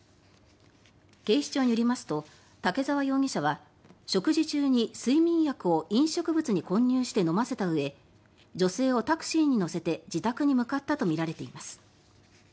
警視庁によりますと竹澤容疑者は食事中に睡眠薬を飲食物に混入して飲ませたうえ女性をタクシーに乗せて自宅に向かったとみられています。